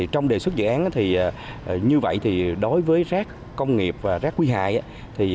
trong đề xuất dự án như vậy đối với rác công nghiệp và rác quý hài